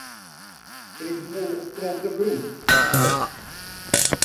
Ik woe wol troch de grûn.